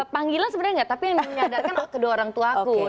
panggilan sebenarnya tidak tapi yang menyadarkan kedua orangtuaku